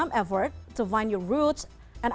maka mengapa anda masih membuat usaha